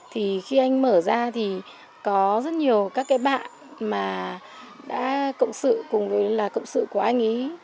thì khi anh mở ra thì có rất nhiều các cái bạn mà đã cộng sự cùng với là cộng sự của anh ấy